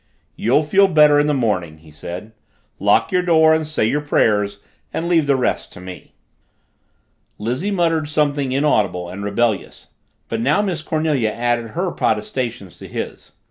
"You'll feel better in the morning," he said. "Lock your door and say your prayers, and leave the rest to me." Lizzie muttered something inaudible and rebellious, but now Miss Cornelia added her protestations to his.